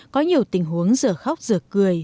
có nhiều tình huống rửa khóc rửa cười